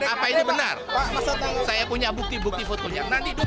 apa ini benar saya punya bukti bukti fotonya